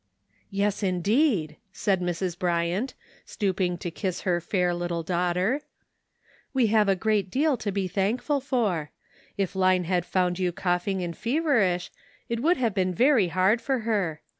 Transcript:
" Yes, indeed !" said Mrs. Bryant, stooping to kiss her fair little daughter; "we have a great deal to be thankful for. If Line had found you coughing and feverish it would have been very hard for her.